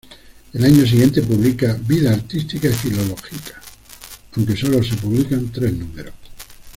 El año siguiente publica "Vida artística y filológica", aunque sólo se publican tres números.